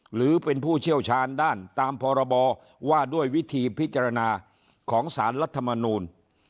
หรือเป็นผู้เชี่ยวชาญด้านตามพรบว่าด้วยวิธีพิจารณาของสารรัฐมนูล